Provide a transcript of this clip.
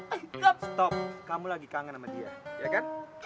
stop kamu lagi kangen sama dia ya kan